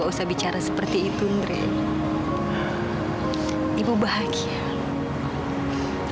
aku berharap kamu bisa berhoga lebih sikit